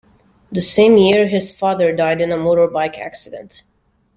The same year, his father died in a motorbike accident.